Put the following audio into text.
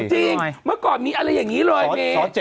จริงเมื่อก่อนมีอะไรอย่างนี้เลยเม